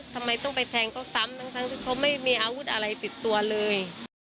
ทำไมต้องไปแทงเขาซ้ำทั้งที่เขาไม่มีอาวุธอะไรติดตัวเลย